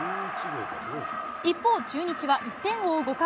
一方、中日は１点を追う５回。